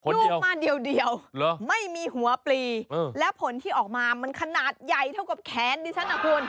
ลูกมาเดียวไม่มีหัวปลีและผลที่ออกมามันขนาดใหญ่เท่ากับแขนดิฉันนะคุณ